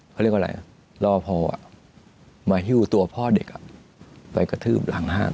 เขาเรียกว่าอะไรรอพอมาหิ้วตัวพ่อเด็กไปกระทืบหลังนะครับ